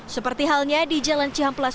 seperti halnya di jalan ciham pelancong